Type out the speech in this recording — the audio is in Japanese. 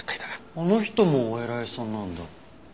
あの人もお偉いさんなんだ？